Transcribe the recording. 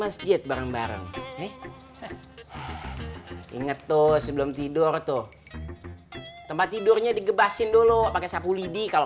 sebelum tidur tuh tempat tidurnya di gebasin dulu pakai sapu lidi kalau